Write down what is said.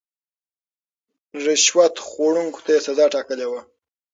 رشوت خوړونکو ته يې سزا ټاکلې وه.